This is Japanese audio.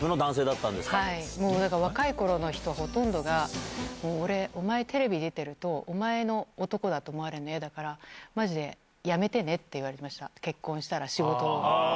もう、若いころの人ほとんどが、俺、お前テレビ出てると、お前の男だと思われるの嫌だから、マジで辞めてねって言われました、結婚したら、仕事を。